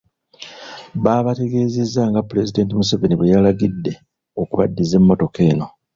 Baabategeezezza nga Pulezidenti Museveni bwe yabalagidde okubaddiza emmotoka eno.